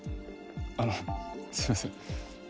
あのすいません